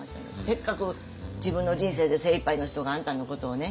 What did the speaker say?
せっかく自分の人生で精いっぱいの人があんたのことをね